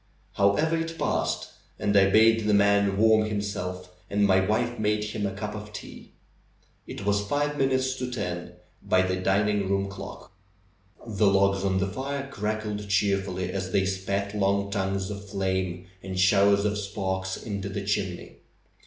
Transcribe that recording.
However, it passed, and I bade the man warm him self, and my wife made him a cup of tea. It was five minutes to ten by the dining room clock. The logs on the fire crackled cheerfully as they spat long tongues of flame and showers of sparks into the chimney.